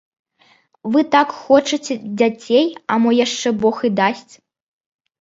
Вы так хочаце дзяцей, а мо яшчэ бог і дасць.